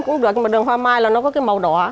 nhưng mà đường hoa mai nó có cái màu đỏ